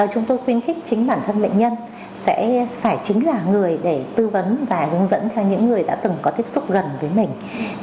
chúng tôi khuyến khích chính bản thân bệnh nhân sẽ phải chính là người để tư vấn và hướng dẫn cho những người đã từng có tiếp xúc gần với mình